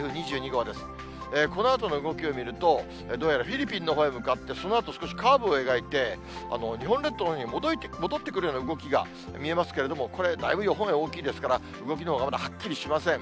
このあとの動きを見ると、どうやらフィリピンのほうへ向かって、そのあと少しカーブを描いて、日本列島のほうに戻ってくるような動きが見えますけれども、これ、だいぶ予報円大きいですから、動きのほうはっきりしません。